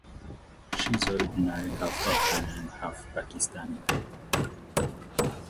She is originally half Afghan and half Pakistani.